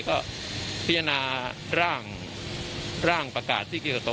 ก็พิจารณาร่างประกาศที่เกี่ยวกับ